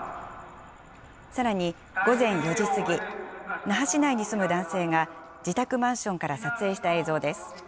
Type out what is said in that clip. さらに、午前４時過ぎ、那覇市内に住む男性が自宅マンションから撮影した映像です。